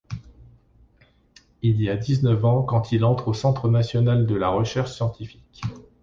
Il a dix-neuf ans quand il entre au Centre national de la recherche scientifique.